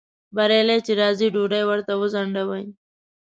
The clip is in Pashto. بریالی چې راځي ډوډۍ ورته وځنډوئ